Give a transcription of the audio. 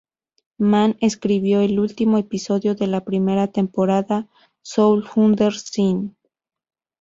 Mann escribió el último episodio de la primera temporada "Sold Under Sin".